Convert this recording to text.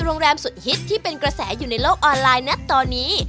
โรงแรมสุดฮิตที่เป็นกระแสอยู่ในโลกออนไลน์นะตอนนี้